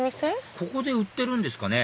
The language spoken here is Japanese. ここで売ってるんですかね